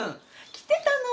来てたの。